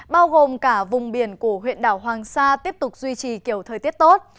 bao gồm cả vùng biển của huyện đảo hoàng sa tiếp tục duy trì kiểu thời tiết tốt